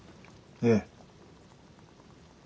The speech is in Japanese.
ええ。